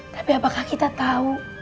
tapi apakah kita tau